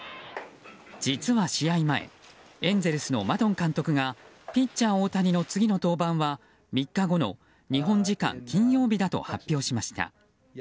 実は試合前エンゼルスのマドン監督がピッチャー大谷の次の登板は３日後の日本時間金曜日だと発表しました。